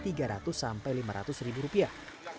tanah uruk dihargai tiga ratus sampai lima ratus ribu rupiah